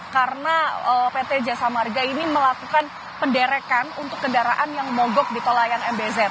karena pt jasa marga ini melakukan penderakan untuk kendaraan yang mogok di tola yang mbz